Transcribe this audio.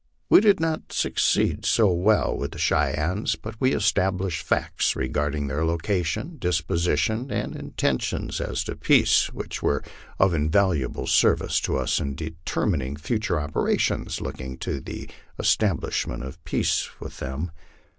We did not succeed so well with the Cheyennes, but we established facts regarding their location, disposition, and intentions as to peace, which were of invaluable service to us in determining future operations looking to the es tablishment of peace with them.